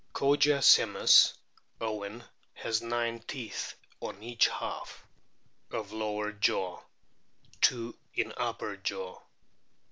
Kogia simus, Owen,f has nine teeth on each half of lower jaw ; two in upper jaw.